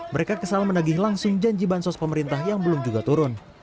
mereka kesal menagih langsung janji bansos pemerintah yang belum juga turun